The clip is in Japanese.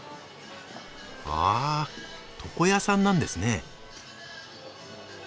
あ床屋さんなんですね。